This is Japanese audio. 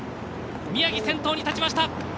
宮城、先頭に立ちました。